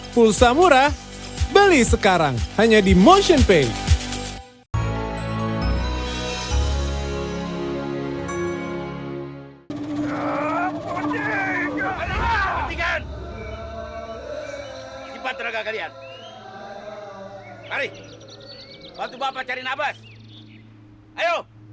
pulsa murah beli sekarang hanya di motionpay